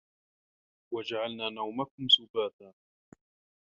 وَجَعَلنا نَومَكُم سُباتًا